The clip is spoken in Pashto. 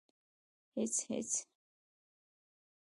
_هېڅ ، هېڅ.